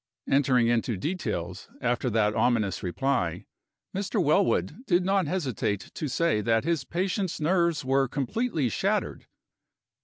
Entering into details, after that ominous reply, Mr. Wellwood did not hesitate to say that his patient's nerves were completely shattered.